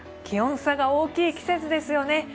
気温差が大きい季節ですよね。